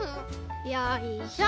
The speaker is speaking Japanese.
よいしょ。